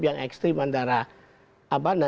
yang ekstrim antara